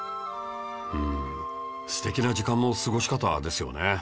うーん素敵な時間の過ごし方ですよね